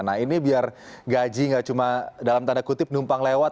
nah ini biar gaji gak cuma dalam tanda kutip numpang lewat